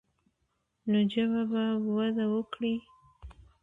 نو ژبه به وده وکړي.